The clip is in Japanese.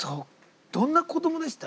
どんな子供でした？